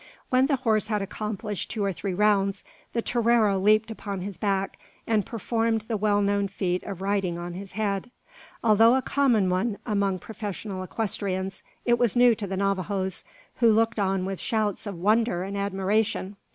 When the horse had accomplished two or three rounds, the torero leaped upon his back, and performed the well known feat of riding on his head. Although a common one among professional equestrians, it was new to the Navajoes, who looked on with shouts of wonder and admiration.